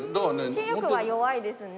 視力は弱いですね。